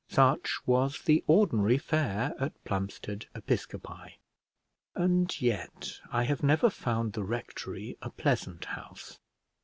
Such was the ordinary fare at Plumstead Episcopi. And yet I have never found the rectory a pleasant house.